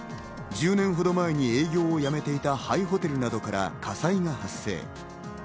１０年ほど前に営業をやめていた廃ホテルなどから火災が発生。